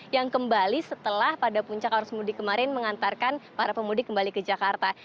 yang kembali setelah pada puncak arus mudik kemarin mengantarkan para pemudik kembali ke jakarta